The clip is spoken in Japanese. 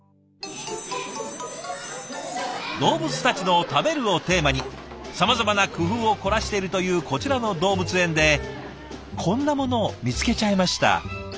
動物たちの「食べる」をテーマにさまざまな工夫を凝らしてるというこちらの動物園でこんなものを見つけちゃいました。